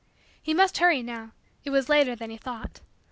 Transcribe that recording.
He must hurry now. It was later than he thought.